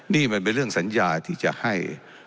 นี่มันเป็นเรื่องสัญญาที่จะให้